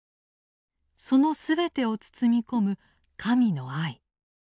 その全てを包み込む神の愛。